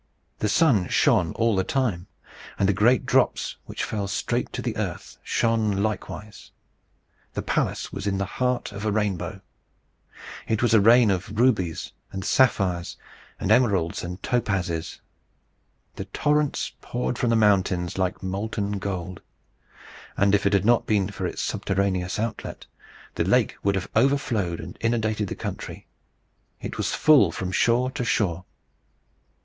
The sun shone all the time, and the great drops, which fell straight to the earth, shone likewise. The palace was in the heart of a rainbow. It was a rain of rubies, and sapphires, and emeralds, and topazes. The torrents poured from the mountains like molten gold; and if it had not been for its subterraneous outlet, the lake would have overflowed and inundated the country. It was full from shore to shore.